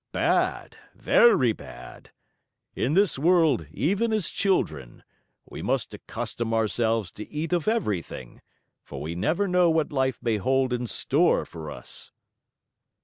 Bad, very bad! In this world, even as children, we must accustom ourselves to eat of everything, for we never know what life may hold in store for us!"